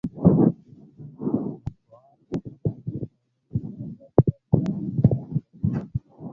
نن مې په مطبوعاتو کې د جمهور رئیس او ډاکتر عبدالله عکسونه ولیدل.